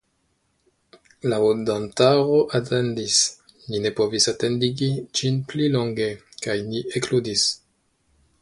La aŭdantaro atendis; ni ne povis atendigi ĝin pli longe, kaj ni ekludis.